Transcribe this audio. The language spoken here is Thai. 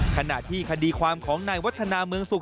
ขณะที่คดีความของนายวัฒนาเมืองสุข